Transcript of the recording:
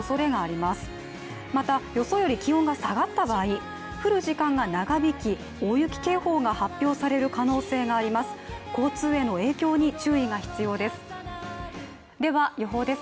また、予想より気温が下がった場合、降る時間が長引き大雪警報が発表される可能性があります。